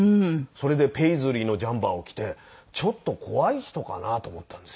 それでペイズリーのジャンパーを着てちょっと怖い人かなと思ったんですよ。